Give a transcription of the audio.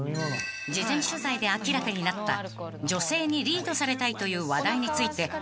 ［事前取材で明らかになった女性にリードされたいという話題についてもう少し聞いてみましょう］